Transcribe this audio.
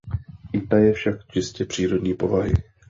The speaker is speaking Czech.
I ta je však čistě přírodní povahy.